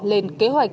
lên kế hoạch